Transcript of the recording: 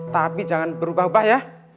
tapi jangan berubah ubah ya